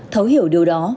thấu hiểu điều đó